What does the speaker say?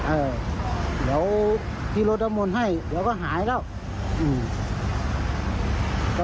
เออเดี๋ยวพี่รถน้ำมนต์ให้เดี๋ยวก็หายแล้วอืม